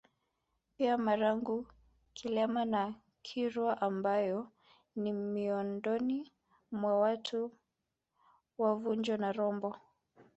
Pia Marangu Kilema na Kirua ambayo ni miondoni wa watu wa vunjo na rombo